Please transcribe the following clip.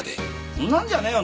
そんなんじゃねえよ。